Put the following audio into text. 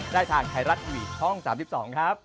ได้ทางไทยรัฐทีวีช่อง๓๒ครับ